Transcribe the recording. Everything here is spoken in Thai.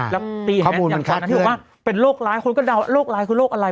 แล้วตีอันนั้นอย่างตอนนั้นที่บอกว่าเป็นโรคร้ายคนก็เดาโรคร้ายคือโรคอะไร